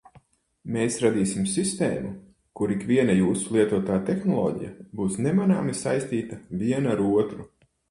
Mēs radīsim sistēmu, kur ikviena jūsu lietotā tehnoloģija būs nemanāmi saistīta viena ar otru.